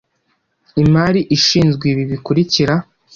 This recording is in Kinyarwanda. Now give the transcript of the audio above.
Imari ishinzwe ibi bikurikira